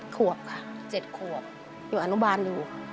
๗ขวบค่ะอยู่อนุบาลอยู่